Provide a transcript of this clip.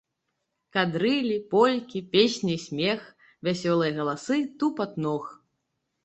Кадрылі, полькі, песні, смех, вясёлыя галасы, тупат ног.